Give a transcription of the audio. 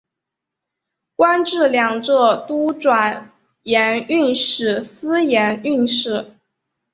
官至两浙都转盐运使司盐运使。